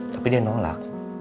tapi dia nolak